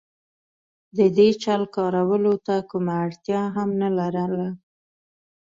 د دې چل کارولو ته کومه اړتیا هم نه لرله.